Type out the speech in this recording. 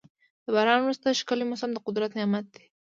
د باران وروسته ښکلی موسم د قدرت نعمت دی.